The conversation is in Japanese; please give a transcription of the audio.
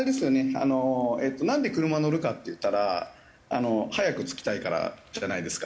あのなんで車乗るかっていったら早く着きたいからじゃないですか。